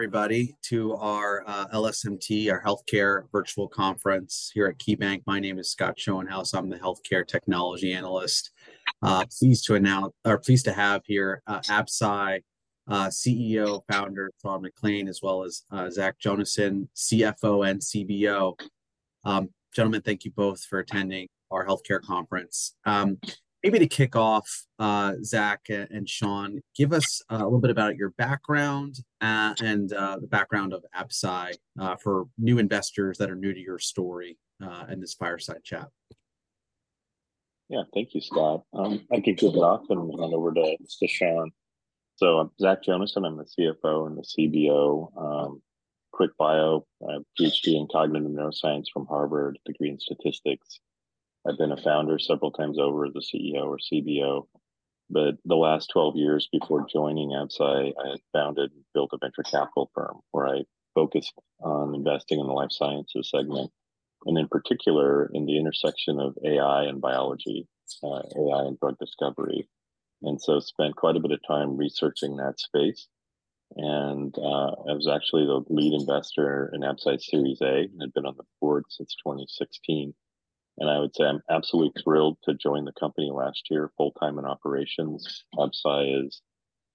Everybody to our LSMT, our healthcare virtual conference here at KeyBanc. My name is Scott Schoenhaus. I'm the healthcare technology analyst. Pleased to announce or pleased to have here Absci CEO founder Sean McClain, as well as Zach Jonasson, CFO and CBO. Gentlemen, thank you both for attending our healthcare conference. Maybe to kick off, Zach and Sean, give us a little bit about your background and the background of Absci for new investors that are new to your story in this fireside chat. Yeah. Thank you, Scott. I can kick off and hand over to, to Sean. So I'm Zach Jonasson. I'm the CFO and the CBO. Quick bio, I have a PhD in cognitive neuroscience from Harvard, degree in statistics. I've been a founder several times over, the CEO or CBO, but the last 12 years before joining Absci, I founded and built a venture capital firm, where I focused on investing in the life sciences segment, and in particular, in the intersection of AI and biology, AI and drug discovery, and so spent quite a bit of time researching that space. And, I was actually the lead investor in Absci's Series A, and I've been on the board since 2016, and I would say I'm absolutely thrilled to join the company last year, full-time in operations. Absci is,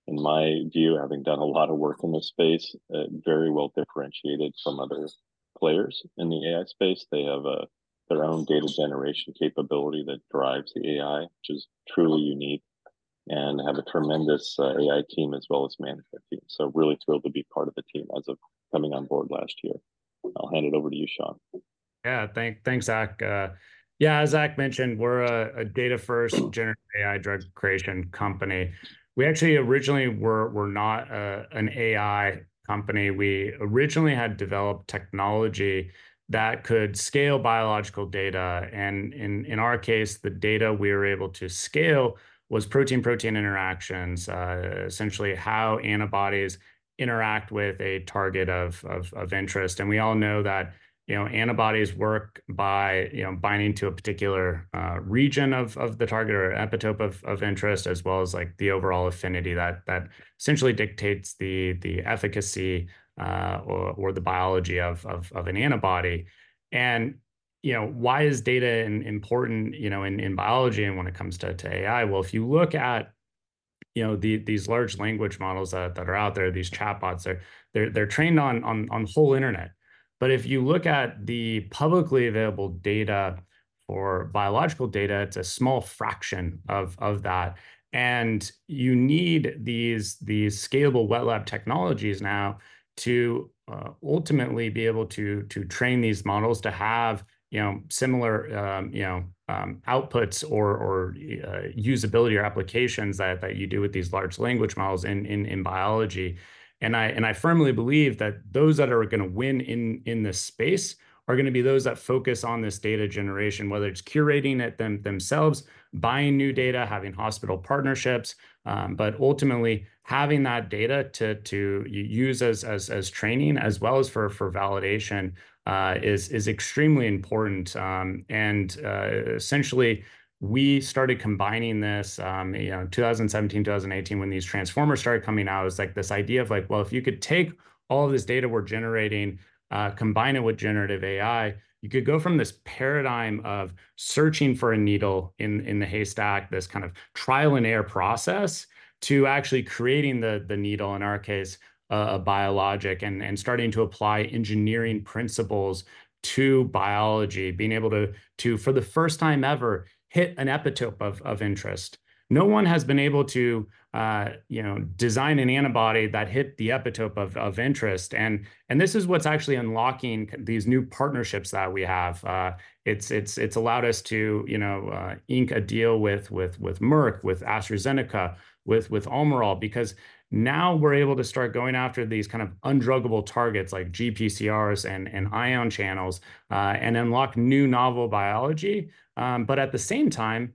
in my view, having done a lot of work in this space, very well differentiated from other players in the AI space. They have their own data generation capability that drives the AI, which is truly unique, and have a tremendous AI team as well as management team, so really thrilled to be part of the team as of coming on board last year. I'll hand it over to you, Sean. Yeah. Thanks, Zach. Yeah, as Zach mentioned, we're a data-first generative AI drug creation company. We actually originally were not an AI company. We originally had developed technology that could scale biological data, and in our case, the data we were able to scale was protein-protein interactions, essentially how antibodies interact with a target of interest. And we all know that, you know, antibodies work by, you know, binding to a particular region of the target or epitope of interest, as well as, like, the overall affinity that essentially dictates the efficacy, or the biology of an antibody. And, you know, why is data important, you know, in biology and when it comes to AI? Well, if you look at, you know, these large language models that are out there, these chatbots, they're trained on the whole internet. But if you look at the publicly available data for biological data, it's a small fraction of that, and you need these scalable wet lab technologies now to ultimately be able to train these models to have, you know, similar outputs or usability or applications that you do with these large language models in biology. I firmly believe that those that are gonna win in this space are gonna be those that focus on this data generation, whether it's curating it themselves, buying new data, having hospital partnerships, but ultimately having that data to use as training as well as for validation is extremely important. Essentially, we started combining this, you know, in 2017, 2018, when these transformers started coming out. It's like this idea of, like, well, if you could take all this data we're generating, combine it with generative AI, you could go from this paradigm of searching for a needle in the haystack, this kind of trial-and-error process, to actually creating the needle, in our case, a biologic, and starting to apply engineering principles to biology, being able to, for the first time ever, hit an epitope of interest. No one has been able to, you know, design an antibody that hit the epitope of interest, and this is what's actually unlocking these new partnerships that we have. It's allowed us to, you know, ink a deal with Merck, with AstraZeneca, with Almirall, because now we're able to start going after these kind of undruggable targets like GPCRs and ion channels and unlock new novel biology, but at the same time,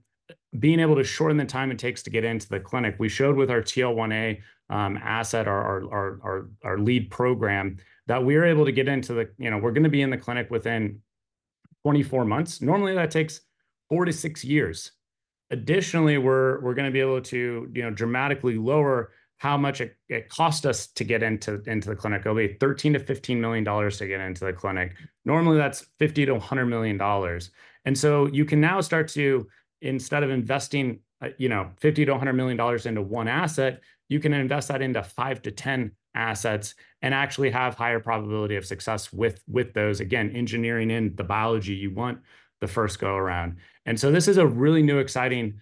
being able to shorten the time it takes to get into the clinic. We showed with our TL1A asset, our lead program, that we're able to get into the clinic within 24 months. Normally, that takes 4-6 years. Additionally, we're gonna be able to, you know, dramatically lower how much it costs us to get into the clinic. It'll be $13 million-$15 million to get into the clinic. Normally, that's $50 million-$100 million. And so you can now start to, instead of investing, you know, $50 million-$100 million into one asset, you can invest that into five to 10 assets and actually have higher probability of success with, with those, again, engineering in the biology you want the first go-around. And so this is a really new, exciting,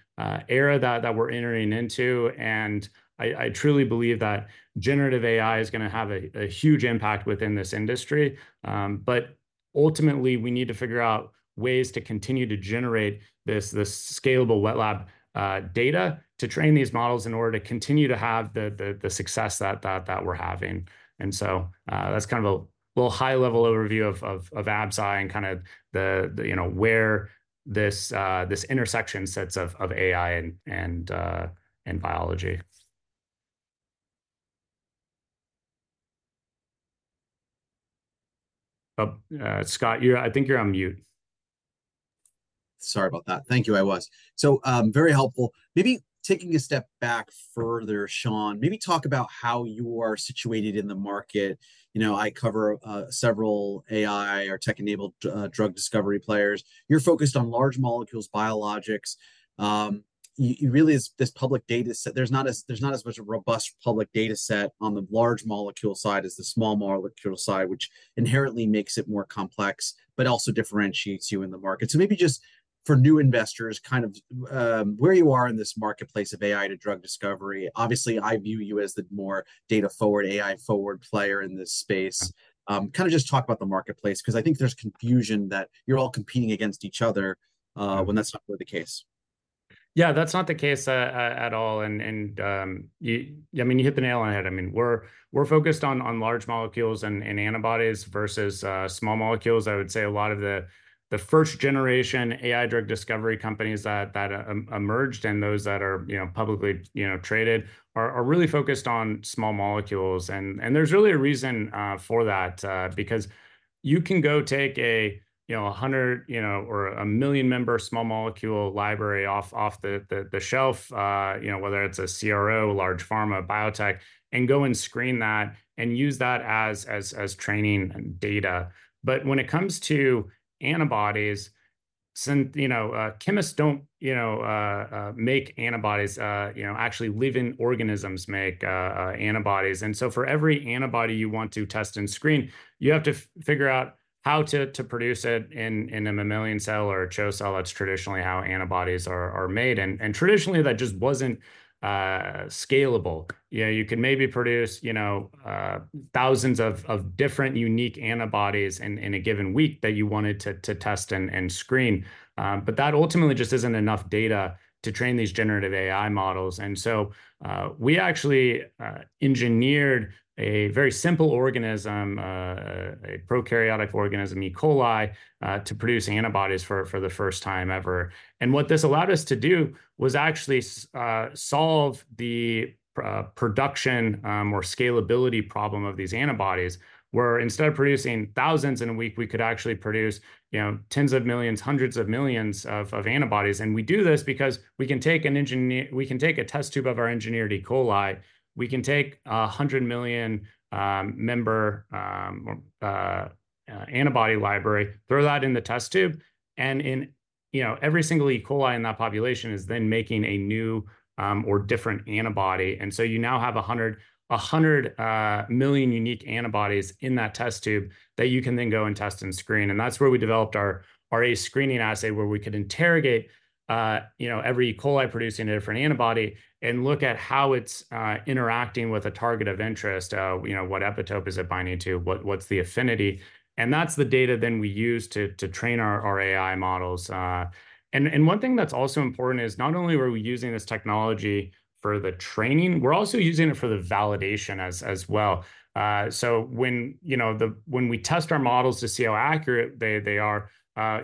era that, that we're entering into, and I, I truly believe that generative AI is gonna have a, a huge impact within this industry. But ultimately, we need to figure out ways to continue to generate this, this scalable wet lab, data to train these models in order to continue to have the, the, the success that, that, that we're having. And so, that's kind of a little high-level overview of Absci and kind of the, you know, where this intersection sits of AI and biology. Scott, you're, I think you're on mute. Sorry about that. Thank you, I was. So, very helpful. Maybe taking a step back further, Sean, maybe talk about how you are situated in the market. You know, I cover several AI or tech-enabled drug discovery players. You're focused on large molecules, biologics. You really there's not as much a robust public data set on the large molecule side as the small molecular side, which inherently makes it more complex, but also differentiates you in the market. So maybe just for new investors, kind of, where you are in this marketplace of AI to drug discovery. Obviously, I view you as the more data-forward, AI-forward player in this space. Kind of just talk about the marketplace, 'cause I think there's confusion that you're all competing against each other, when that's not really the case. Yeah, that's not the case at all, and I mean, you hit the nail on the head. I mean, we're focused on large molecules and antibodies versus small molecules. I would say a lot of the first-generation AI drug discovery companies that emerged and those that are, you know, publicly, you know, traded, are really focused on small molecules. And there's really a reason for that because you can go take a, you know, a 100- or a million member small molecule library off the shelf, you know, whether it's a CRO, large pharma, biotech, and go and screen that, and use that as training and data. But when it comes to antibodies, you know, chemists don't, you know, make antibodies, you know, actually, living organisms make antibodies. And so for every antibody you want to test and screen, you have to figure out how to produce it in a mammalian cell or a CHO cell. That's traditionally how antibodies are made, and traditionally, that just wasn't scalable. You know, you can maybe produce, you know, thousands of different unique antibodies in a given week that you wanted to test and screen, but that ultimately just isn't enough data to train these generative AI models. And so we actually engineered a very simple organism, a prokaryotic organism, E. coli, to produce antibodies for the first time ever. And what this allowed us to do was actually solve the production or scalability problem of these antibodies, where instead of producing thousands in a week, we could actually produce, you know, tens of millions, hundreds of millions of antibodies. And we do this because we can take a test tube of our engineered E. coli, we can take a 100 million member antibody library, throw that in the test tube, and, you know, every single E. coli in that population is then making a new or different antibody. And so you now have 100 million unique antibodies in that test tube that you can then go and test and screen, and that's where we developed our ACE screening assay, where we could interrogate, you know, every E. coli producing a different antibody, and look at how it's interacting with a target of interest. You know, what epitope is it binding to? What, what's the affinity? And that's the data then we use to train our AI models. And one thing that's also important is, not only were we using this technology for the training, we're also using it for the validation as well. So when you know, when we test our models to see how accurate they are,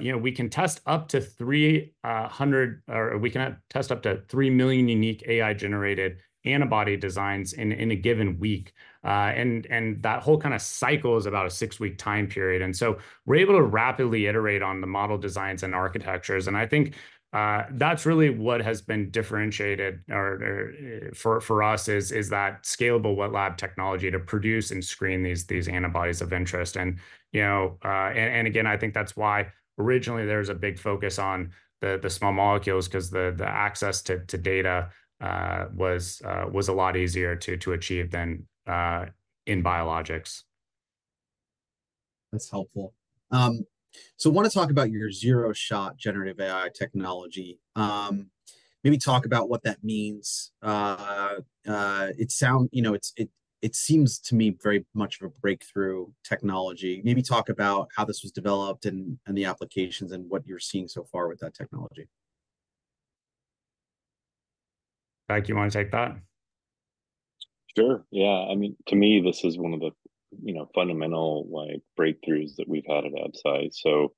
you know, we can test up to 300, or we can test up to three million unique AI-generated antibody designs in a given week. And that whole kind of cycle is about a six week time period. And so we're able to rapidly iterate on the model designs and architectures, and I think that's really what has been differentiated, or for us is that scalable wet lab technology to produce and screen these antibodies of interest. And you know, and again, I think that's why originally there was a big focus on the small molecules, 'cause the access to data was a lot easier to achieve than in biologics. That's helpful. So I want to talk about your zero-shot generative AI technology. Maybe talk about what that means. You know, it's, it, it seems to me very much of a breakthrough technology. Maybe talk about how this was developed, and, and the applications, and what you're seeing so far with that technology. Mike, you want to take that? Sure, yeah. I mean, to me, this is one of the, you know, fundamental, like, breakthroughs that we've had at Absci. So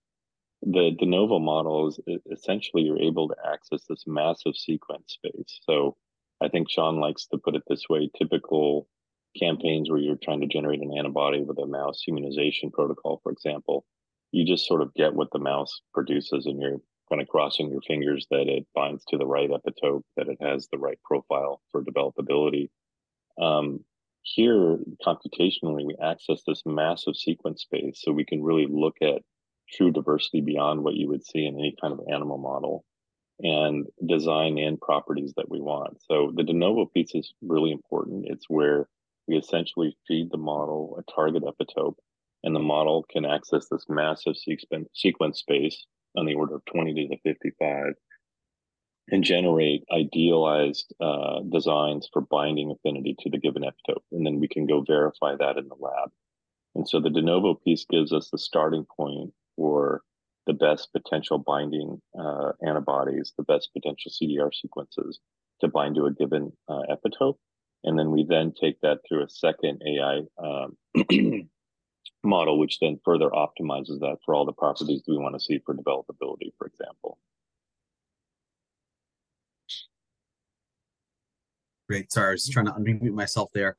the de novo models, essentially, you're able to access this massive sequence space. So I think Sean likes to put it this way: typical campaigns where you're trying to generate an antibody with a mouse immunization protocol, for example, you just sort of get what the mouse produces, and you're kind of crossing your fingers that it binds to the right epitope, that it has the right profile for developability. Here, computationally, we access this massive sequence space, so we can really look at true diversity beyond what you would see in any kind of animal model, and design in properties that we want. So the de novo piece is really important. It's where we essentially feed the model a target epitope, and the model can access this massive sequence space on the order of 20 to the 55, and generate idealized designs for binding affinity to the given epitope, and then we can go verify that in the lab. And so the de novo piece gives us the starting point for the best potential binding antibodies, the best potential CDR sequences to bind to a given epitope, and then we take that through a second AI model, which then further optimizes that for all the properties we want to see for developability, for example. Great. Sorry, I was just trying to unmute myself there.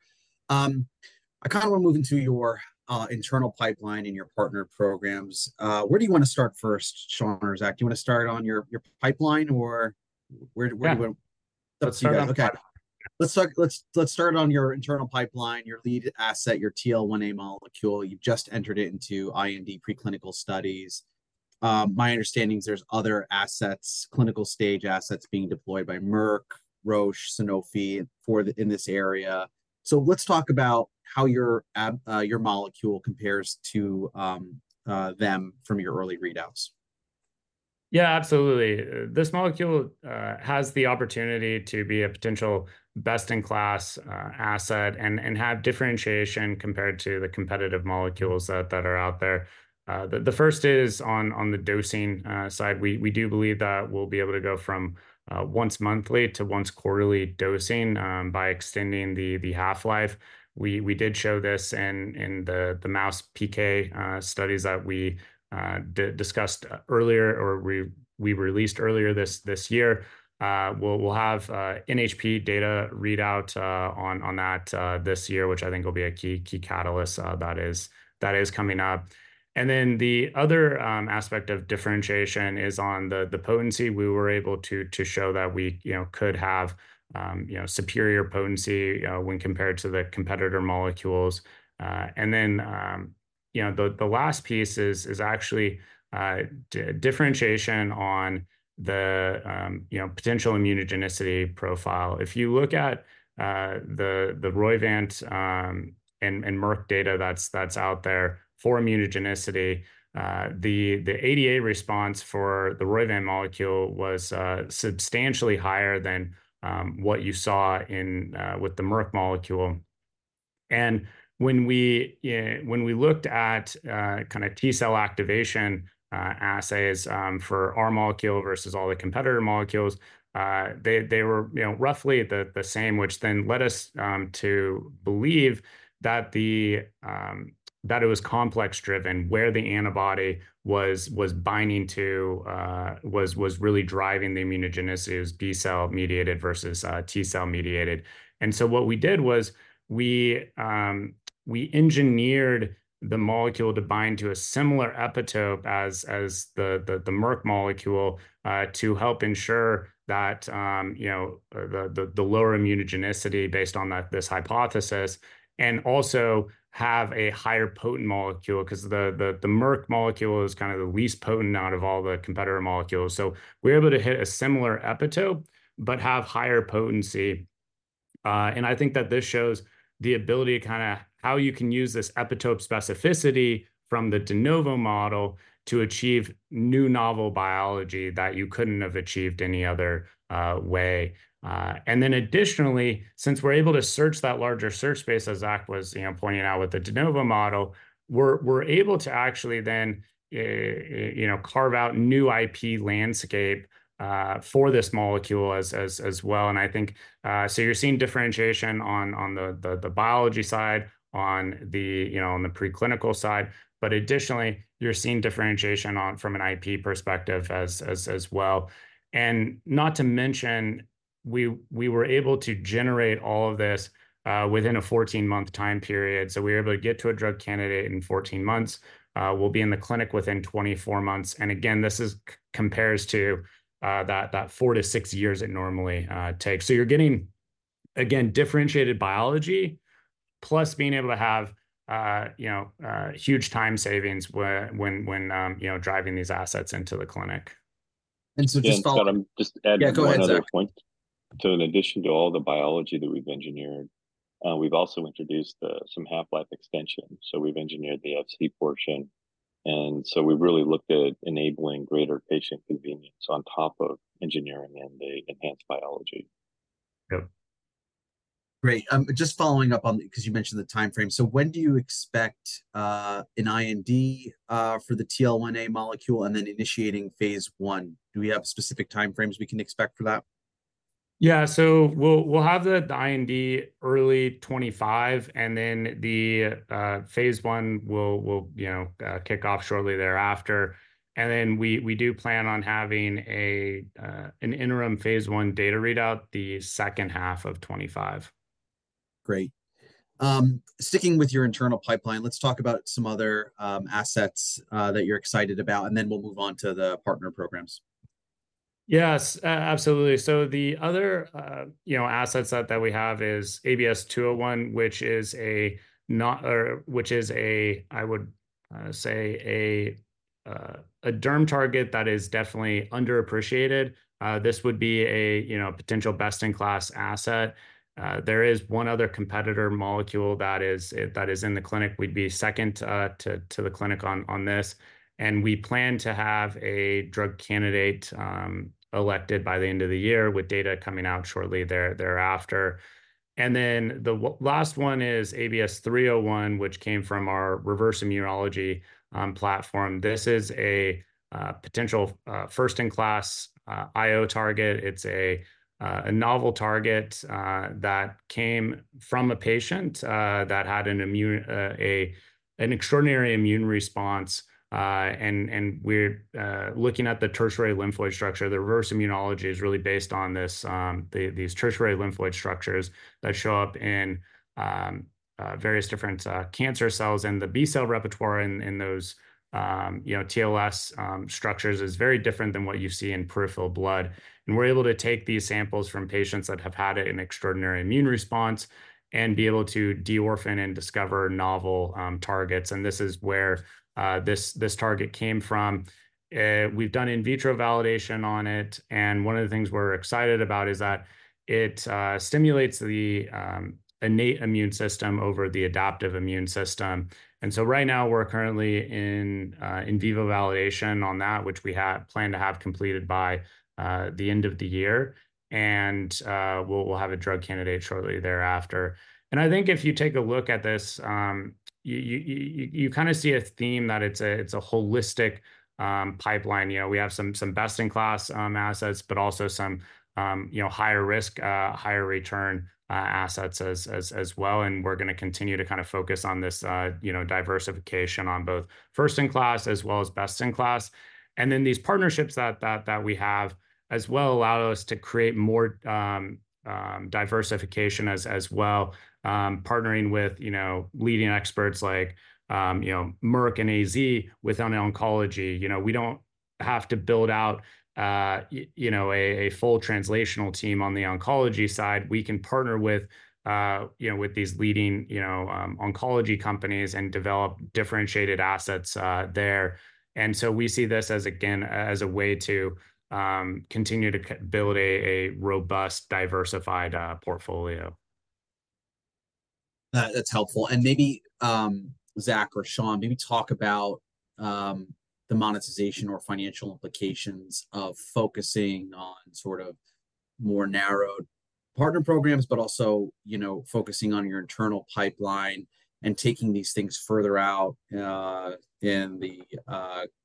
I kind of want to move into your internal pipeline and your partner programs. Where do you want to start first, Sean or Zach? Do you want to start on your pipeline, or where do you want- Yeah. Okay, let's talk. Let's start on your internal pipeline, your lead asset, your TL1A molecule. You've just entered it into IND preclinical studies. My understanding is there's other assets, clinical stage assets being deployed by Merck, Roche, Sanofi for the in this area. So let's talk about how your antibody, your molecule compares to them from your early readouts. Yeah, absolutely. This molecule has the opportunity to be a potential best-in-class asset and have differentiation compared to the competitive molecules that are out there. The first is on the dosing side. We do believe that we'll be able to go from once monthly to once quarterly dosing by extending the half-life. We did show this in the mouse PK studies that we discussed earlier, or we released earlier this year. We'll have NHP data readout on that this year, which I think will be a key catalyst that is coming up. And then the other aspect of differentiation is on the potency. We were able to show that we, you know, could have, you know, superior potency when compared to the competitor molecules. And then, you know, the last piece is actually differentiation on the potential immunogenicity profile. If you look at the Roivant and Merck data that's out there for immunogenicity, the ADA response for the Roivant molecule was substantially higher than what you saw with the Merck molecule. And when we looked at kind of T-cell activation assays for our molecule versus all the competitor molecules, they were, you know, roughly the same, which then led us to believe that it was complex driven, where the antibody was binding to was really driving the immunogenicity. It was B-cell mediated versus T-cell mediated. And so what we did was we engineered the molecule to bind to a similar epitope as the Merck molecule to help ensure that, you know, the lower immunogenicity based on that, this hypothesis, and also have a higher potent molecule, 'cause the Merck molecule is kind of the least potent out of all the competitor molecules. So we're able to hit a similar epitope but have higher potency. And I think that this shows the ability to kind of how you can use this epitope specificity from the de novo model to achieve new novel biology that you couldn't have achieved any other way. And then additionally, since we're able to search that larger search space, as Zach was, you know, pointing out with the de novo model, we're, we're able to actually then, you know, carve out new IP landscape for this molecule as, as, as well. And I think, so you're seeing differentiation on, on the, the, the biology side, on the, you know, on the preclinical side, but additionally, you're seeing differentiation on from an IP perspective as, as, as well. And not to mention, we were able to generate all of this within a 14-month time period, so we were able to get to a drug candidate in 14 months. We'll be in the clinic within 24 months, and again, this compares to that four-six years it normally takes. So you're getting, again, differentiated biology, plus being able to have you know huge time savings when you know driving these assets into the clinic. And so just follow Just to add one other point. Yeah, go ahead, Zach. So in addition to all the biology that we've engineered, we've also introduced some half-life extension, so we've engineered the Fc portion. And so we've really looked at enabling greater patient convenience on top of engineering and the enhanced biology. Yep. Great. Just following up on, because you mentioned the time frame. So when do you expect an IND for the TL1A molecule and then initiating phase I? Do we have specific time frames we can expect for that? Yeah. So we'll have the IND early 2025, and then the phase I will, you know, kick off shortly thereafter. And then we do plan on having an interim phase I data readout the second half of 2025. Great. Sticking with your internal pipeline, let's talk about some other assets that you're excited about, and then we'll move on to the partner programs. Yes, absolutely. So the other, you know, assets that we have is ABS-201, which is a not, or which is a, I would say, a derm target that is definitely underappreciated. This would be a, you know, potential best-in-class asset. There is one other competitor molecule that is in the clinic. We'd be second to the clinic on this, and we plan to have a drug candidate elected by the end of the year, with data coming out shortly thereafter. And then the last one is ABS-301, which came from our reverse immunology platform. This is a potential first-in-class IO target. It's a novel target that came from a patient that had an extraordinary immune response. And we're looking at the tertiary lymphoid structure. The reverse immunology is really based on this, these tertiary lymphoid structures that show up in various different cancer cells. And the B-cell repertoire in those, you know, TLS structures is very different than what you see in peripheral blood. And we're able to take these samples from patients that have had an extraordinary immune response and be able to de-orphan and discover novel targets, and this is where this target came from. We've done in vitro validation on it, and one of the things we're excited about is that it stimulates the innate immune system over the adaptive immune system. Right now, we're currently in in vivo validation on that, which we plan to have completed by the end of the year. We'll have a drug candidate shortly thereafter. I think if you take a look at this, you kind of see a theme that it's a holistic pipeline. You know, we have some best-in-class assets, but also some you know, higher risk, higher return, assets as well, and we're gonna continue to kind of focus on this you know, diversification on both first-in-class as well as best-in-class. And then these partnerships that we have as well allow us to create more diversification as well, partnering with, you know, leading experts like, you know, Merck and AZ with on oncology. You know, we don't have to build out, you know, a full translational team on the oncology side. We can partner with, you know, with these leading, you know, oncology companies and develop differentiated assets there. And so we see this as, again, as a way to continue to build a robust, diversified portfolio. That's helpful. And maybe, Zach or Sean, maybe talk about the monetization or financial implications of focusing on sort of more narrowed partner programs, but also, you know, focusing on your internal pipeline and taking these things further out, in the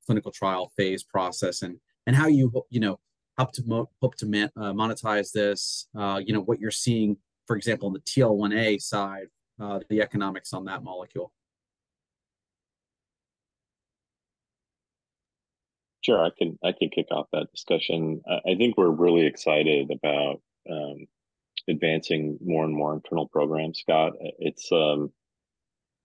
clinical trial phase process, and how you, you know, hope to monetize this. You know, what you're seeing, for example, on the TL1A side, the economics on that molecule. Sure, I can, I can kick off that discussion. I think we're really excited about advancing more and more internal programs, Scott. It's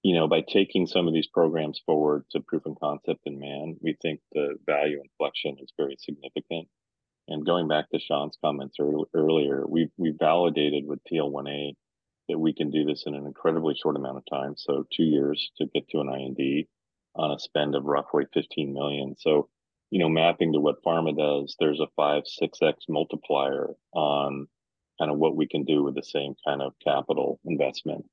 you know, by taking some of these programs forward to proof of concept in man, we think the value inflection is very significant. And going back to Sean's comments earlier, we've validated with TL1A that we can do this in an incredibly short amount of time, so two years to get to an IND, spend of roughly $15 million. So, you know, mapping to what pharma does, there's a 5-6x multiplier on kind of what we can do with the same kind of capital investment.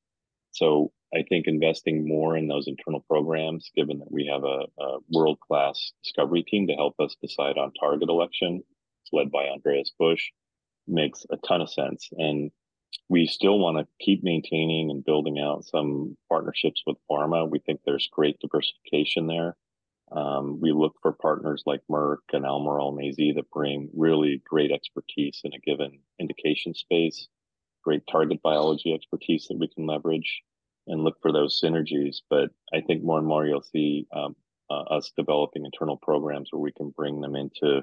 So I think investing more in those internal programs, given that we have a world-class discovery team to help us decide on target selection, it's led by Andreas Busch, makes a ton of sense. And we still wanna keep maintaining and building out some partnerships with pharma. We think there's great diversification there. We look for partners like Merck and Almirall and AZ that bring really great expertise in a given indication space, great target biology expertise that we can leverage, and look for those synergies. But I think more and more you'll see us developing internal programs where we can bring them into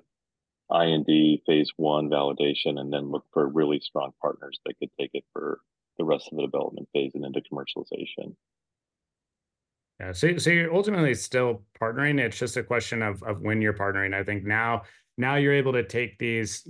IND phase I validation, and then look for really strong partners that could take it for the rest of the development phase and into commercialization. Yeah. So, so you're ultimately still partnering. It's just a question of, of when you're partnering. I think now, now you're able to take these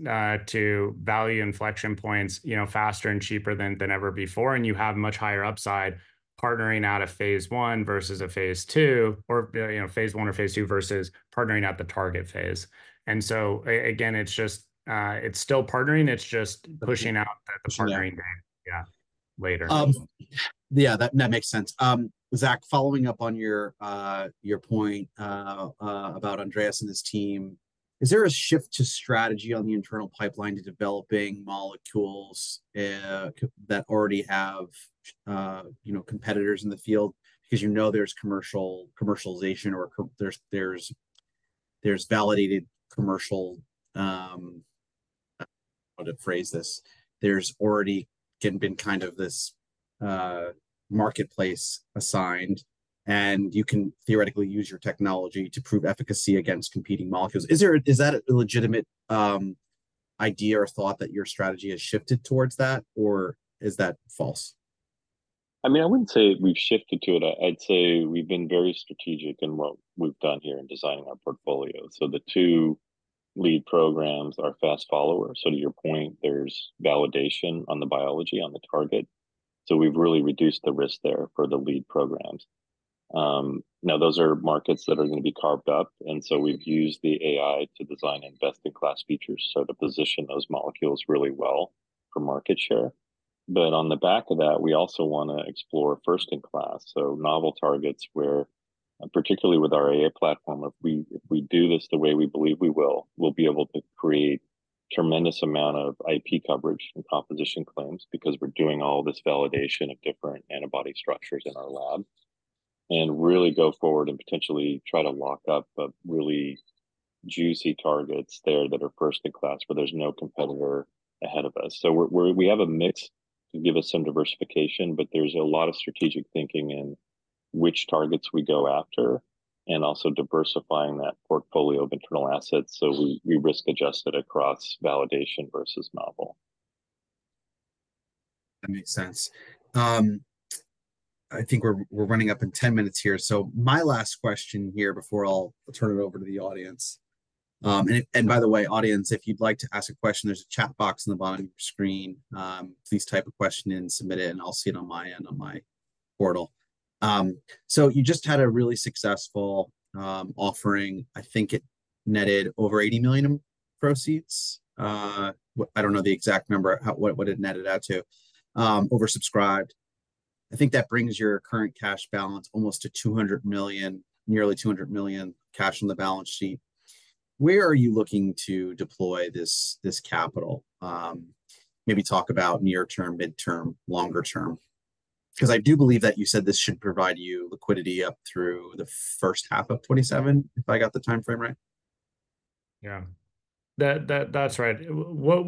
to value inflection points, you know, faster and cheaper than, than ever before, and you have much higher upside partnering out of phase I versus a phase II, or, you know, phase I or phase II versus partnering at the target phase. And so again, it's just, it's still partnering, it's just pushing out the partnering thing- Yeah Yeah, later. Yeah, that makes sense. Zach, following up on your point about Andreas and his team, is there a shift to strategy on the internal pipeline to developing molecules that already have, you know, competitors in the field? Because you know there's commercialization or there's validated commercial. How to phrase this? There's already kind of been kind of this marketplace assigned, and you can theoretically use your technology to prove efficacy against competing molecules. Is there, is that a legitimate idea or thought that your strategy has shifted towards that, or is that false? I mean, I wouldn't say we've shifted to it. I'd say we've been very strategic in what we've done here in designing our portfolio. So the two lead programs are fast followers. So to your point, there's validation on the biology, on the target. So we've really reduced the risk there for the lead programs. Now those are markets that are gonna be carved up, and so we've used the AI to design best-in-class features, so to position those molecules really well for market share. But on the back of that, we also wanna explore first-in-class, so novel targets where, particularly with our AI platform, if we do this the way we believe we will, we'll be able to create tremendous amount of IP coverage and composition claims. Because we're doing all this validation of different antibody structures in our lab, and really go forward and potentially try to lock up the really juicy targets there that are first-in-class, where there's no competitor ahead of us. So we're, we have a mix to give us some diversification, but there's a lot of strategic thinking in which targets we go after, and also diversifying that portfolio of internal assets, so we risk-adjust it across validation versus novel. That makes sense. I think we're running up in 10 minutes here, so my last question here before I'll turn it over to the audience. And by the way, audience, if you'd like to ask a question, there's a chat box in the bottom of your screen. Please type a question in, submit it, and I'll see it on my end on my portal. So you just had a really successful offering. I think it netted over $80 million in proceeds. I don't know the exact number, what it netted out to. Oversubscribed. I think that brings your current cash balance almost to $200 million, nearly $200 million cash on the balance sheet. Where are you looking to deploy this capital? Maybe talk about near term, mid-term, longer term. Cause I do believe that you said this should provide you liquidity up through the first half of 2027, if I got the timeframe right. Yeah. That's right. Where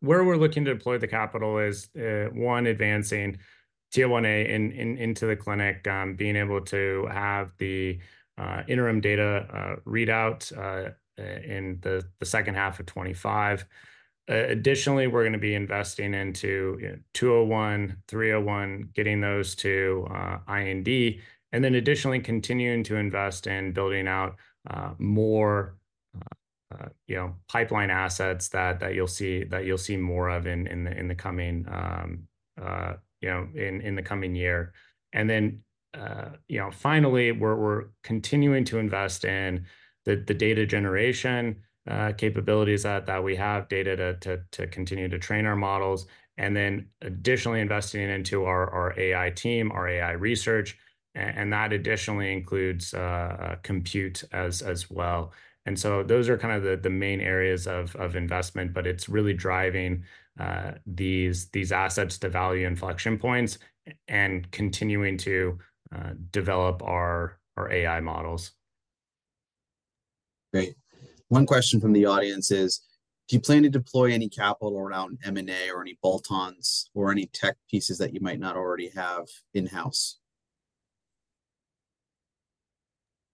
we're looking to deploy the capital is, one, advancing TL1A into the clinic, being able to have the interim data readout in the second half of 2025. Additionally, we're gonna be investing into, you know, 201, 301, getting those to IND, and then additionally continuing to invest in building out more, you know, pipeline assets that you'll see more of in the coming year. And then, you know, finally, we're continuing to invest in the data generation capabilities that we have, data to continue to train our models, and then additionally investing into our AI team, our AI research, and that additionally includes compute as well. And so those are kind of the main areas of investment, but it's really driving these assets to value inflection points and continuing to develop our AI models. Great. One question from the audience is: "Do you plan to deploy any capital around M&A, or any bolt-ons, or any tech pieces that you might not already have in-house?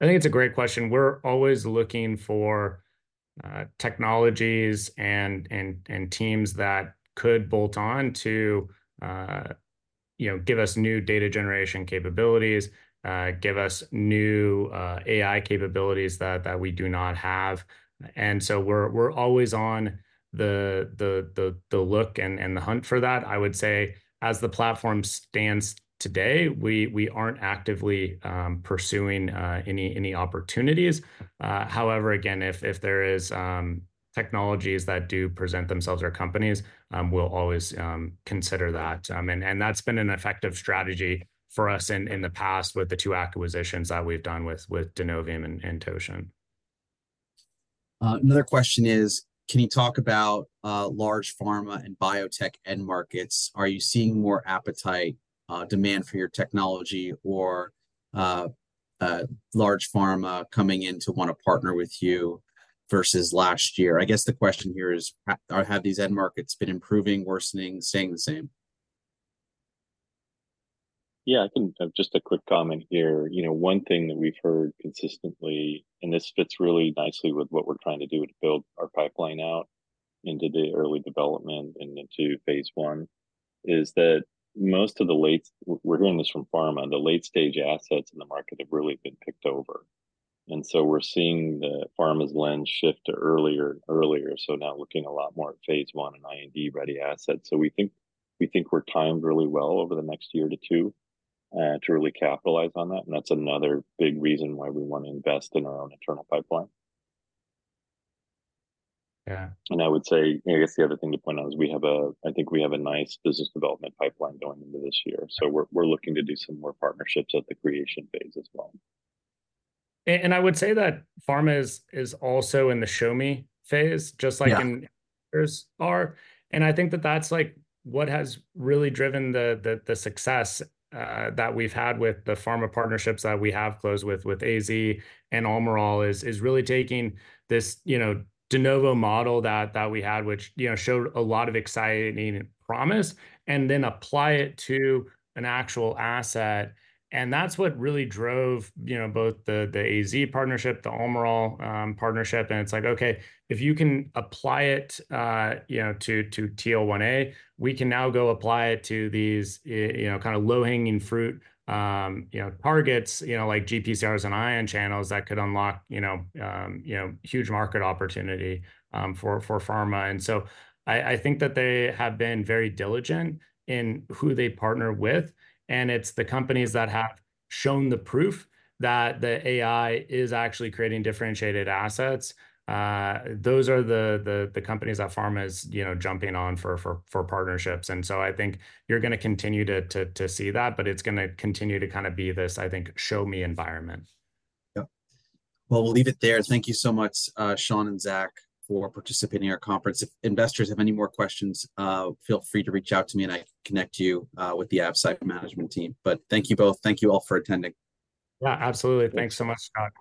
I think it's a great question. We're always looking for technologies and teams that could bolt on to, you know, give us new data generation capabilities, give us new AI capabilities that we do not have, and so we're always on the look and the hunt for that. I would say as the platform stands today, we aren't actively pursuing any opportunities. However, again, if there is technologies that do present themselves or companies, we'll always consider that. And that's been an effective strategy for us in the past with the two acquisitions that we've done with Denovium and Totient. Another question is: "Can you talk about, large pharma and biotech end markets? Are you seeing more appetite, demand for your technology, or, large pharma coming in to wanna partner with you versus last year?" I guess the question here is, have these end markets been improving, worsening, staying the same? Yeah. Just a quick comment here. You know, one thing that we've heard consistently, and this fits really nicely with what we're trying to do to build our pipeline out into the early development and into phase I, is that most of the late-stage assets in the market have really been picked over, and so we're seeing the pharma's lens shift to earlier and earlier, so now looking a lot more at phase I and IND-ready assets. So we think, we think we're timed really well over the next one-two to really capitalize on that, and that's another big reason why we want to invest in our own internal pipeline. Yeah. And I would say, you know, I guess the other thing to point out is we have a, I think we have a nice business development pipeline going into this year, so we're looking to do some more partnerships at the creation phase as well. I would say that pharma is also in the show me phase, Yeah Just like investors are, and I think that that's, like, what has really driven the success that we've had with the pharma partnerships that we have closed with AZ and Almirall, is really taking this, you know, de novo model that we had, which, you know, showed a lot of exciting promise, and then apply it to an actual asset, and that's what really drove, you know, both the AZ partnership, the Almirall partnership. And it's like, okay, if you can apply it, you know, to TL1A, we can now go apply it to these, you know, kind of low-hanging fruit, you know, targets, you know, like GPCRs and ion channels that could unlock, you know, huge market opportunity for pharma. And so I think that they have been very diligent in who they partner with, and it's the companies that have shown the proof that the AI is actually creating differentiated assets. Those are the companies that pharma is, you know, jumping on for partnerships, and so I think you're gonna continue to see that, but it's gonna continue to kind of be this, I think, show me environment. Yep. Well, we'll leave it there. Thank you so much, Sean and Zach, for participating in our conference. If investors have any more questions, feel free to reach out to me, and I can connect you with the Absci management team. But thank you both. Thank you all for attending. Yeah, absolutely. Thanks so much, Scott.